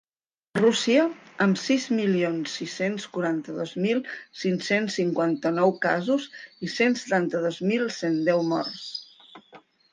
Rússia, amb sis milions sis-cents quaranta-dos mil cinc-cents cinquanta-nou casos i cent setanta-dos mil cent deu morts.